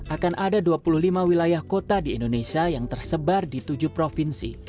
akan ada dua puluh lima wilayah kota di indonesia yang tersebar di tujuh provinsi